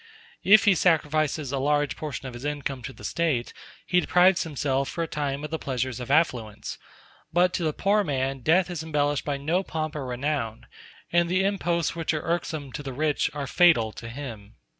If he sacrifices a large portion of his income to the State, he deprives himself for a time of the pleasures of affluence; but to the poor man death is embellished by no pomp or renown, and the imposts which are irksome to the rich are fatal to him.